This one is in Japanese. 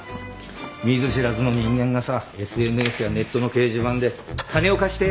見ず知らずの人間がさＳＮＳやネットの掲示板で「金を貸して」